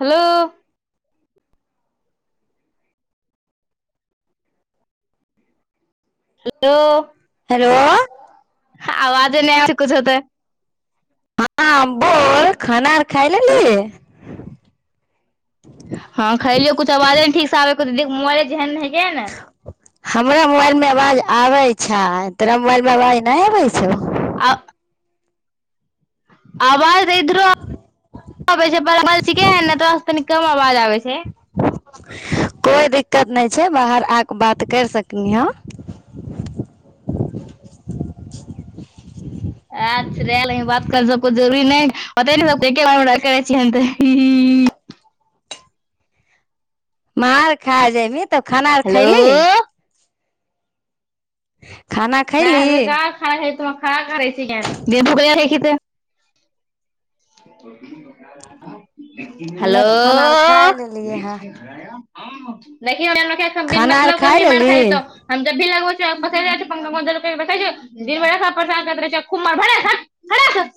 Hello [inaudible] hello hello आवाजे नहि छै आर कुछ होतै। हँ बोल खाना आर खाय लेलिह? हँ खलियो। कुछ आवाजे नै ठीक से आहको दीदी के मोबाइले जेहन ने हे [unintelligible] ने हमरा मोबाइल मे आवाज आबै छै। तोरा मोबाइल मे आवाज नहि आबै छौ। आ आवाज तऽ इधरो आ- आबै छै पर अवाज छिके ह ने तोरासँ तनी कम आवाज आबै छै। कोइ दिक्कत नहि छै। बाहर आकेऽ बात करि सकलींह ह। अच्छ रहे देहीं। बात कर सबके जरुरी नहि। पते [unintelligible] एके बार करै छिय त ही-ही मर खा जयहवीं। तब खाना आर हेलो खैलिह? खाना ख नहि हमे कहा खा है त। खा करै छी क। [unintelligible] है क ते हेलो तऽ खाना आर खाय लेलियै हे देखियोन [unintelligible] बिन खाना आर मतलब के अखनी मार खाय लेली जेतो। हम जबी लगबै [unintelligible] [unintelligible]